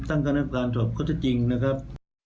ตั้งกรรมการสอบก็จะจริงนะครับ